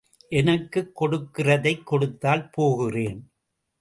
எனக்குக் கொடுக்கிறதைக் கொடுத்தால் போகிறேன்.